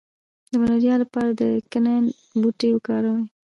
د ملاریا لپاره د کینین بوټی وکاروئ